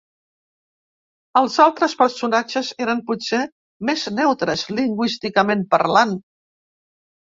Els altres personatges eren potser més neutres lingüísticament parlant.